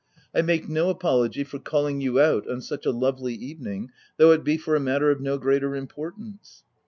I make no apology for calling you out on such a lovely evening though it be for a matter of no greater importance."